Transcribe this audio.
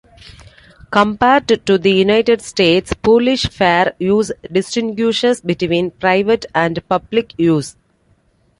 Compared to the United States, Polish fair use distinguishes between private and public use.